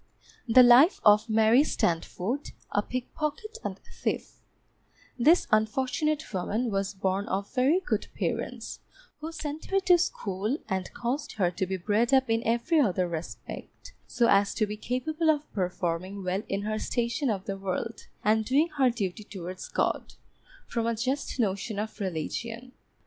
The Life of MARY STANDFORD, a Pickpocket and Thief This unfortunate woman was born of very good parents, who sent her to school, and caused her to be bred up in every other respect so as to be capable of performing well in her station of the world, and doing her duty towards God, from a just notion of religion.